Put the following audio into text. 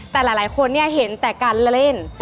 แต่หลายคนเนี่ยเห็นแต่การเล่น